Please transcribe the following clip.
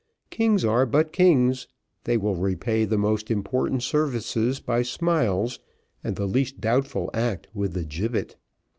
Kings are but kings, they will repay the most important services by smiles, and the least doubtful act with the gibbet.